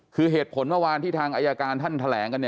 คือเหตุผลเมื่อวานที่ทางอายการท่านแถลงกัน